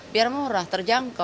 biar murah terjangkau